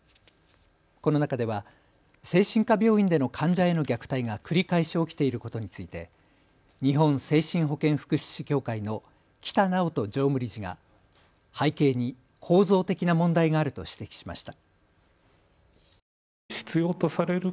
この中では精神科病院での患者への虐待が繰り返し起きていることについて日本精神保健福祉士協会の木太直人常務理事が背景に構造的な問題があると指摘しました。